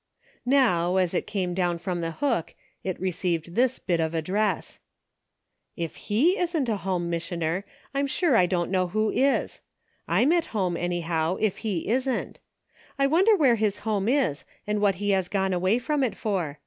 Now, as it came down from the hook, it received this bit of address :" If /le isn't a home missioner, I'm sure I don't know who is. I'm at home, anyhow, if he isn't. I wonder where his home is, and what he has gone away from it for.